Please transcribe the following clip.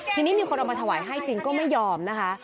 ทีนี้มีคนเอามาถวายให้จริงก็ไม่ยอมนะคะ